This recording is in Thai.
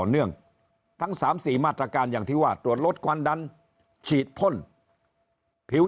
เนื่องทั้ง๓๔มาตรการอย่างที่ว่าตรวจลดความดันฉีดพ่นผิว